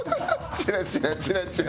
チラチラチラチラ。